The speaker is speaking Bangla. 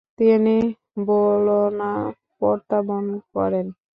তিনি বোলোনা প্রত্যাবর্তন করেন।